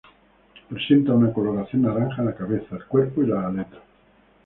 Presenta una coloración naranja en la cabeza, el cuerpo y las aletas.